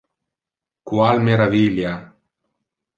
Qual meravilia!